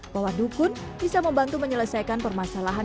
bahwa dukun bisa membantu menyelesaikan permasalahan